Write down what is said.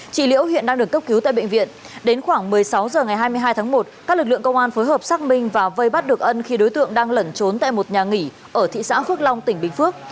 chị liễu hiện đang được cấp cứu tại bệnh viện đến khoảng một mươi sáu h ngày hai mươi hai tháng một các lực lượng công an phối hợp xác minh và vây bắt được ân khi đối tượng đang lẩn trốn tại một nhà nghỉ ở thị xã phước long tỉnh bình phước